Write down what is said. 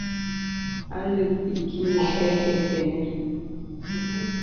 A lɛ̂ ìkì nə kɛkɛ kə̀nɛ̂.